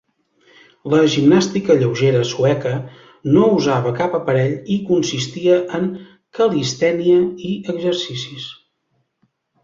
La "gimnàstica lleugera" sueca no usava cap aparell i consistia en cal·listènia i exercicis.